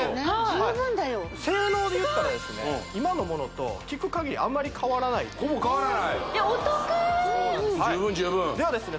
十分だよ性能で言ったらですね今のものと聞くかぎりあんまり変わらないとほぼ変わらないお得十分十分ではですね